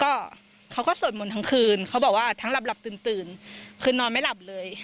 ก็เขาก็สดหมดทั้งคืนเขาบอกว่าทั้งหลับตื่นคือนอนไม่หลับเลย